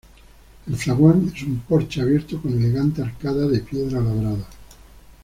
El zaguán es un porche abierto con elegante arcada de piedra labrada.